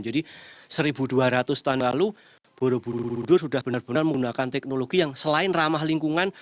seribu dua ratus tahun lalu borobudur sudah benar benar menggunakan teknologi yang selain ramah lingkungan